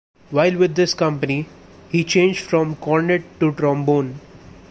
While with this company, he changed from cornet to trombone.